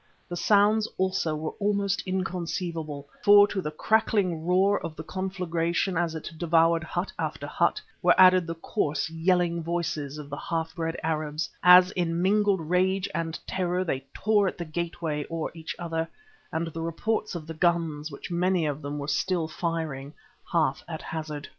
The sounds also were almost inconceivable, for to the crackling roar of the conflagration as it devoured hut after hut, were added the coarse, yelling voices of the half breed Arabs, as in mingled rage and terror they tore at the gateway or each other, and the reports of the guns which many of them were still firing, half at hazard.